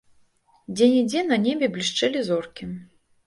Дзе-нідзе на небе блішчэлі зоркі.